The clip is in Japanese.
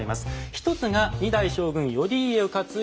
一つが２代将軍頼家を担ぎ